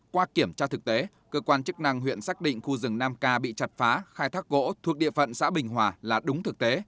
qua kiểm tra thực tế cơ quan chức năng huyện xác định khu rừng nam ca bị chặt phá khai thác gỗ thuộc địa phận xã bình hòa là đúng thực tế